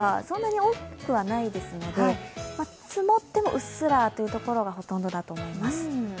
でも今回、量としてはそんなに多くはないですので積もってもうっすらというところがほとんどだと思います。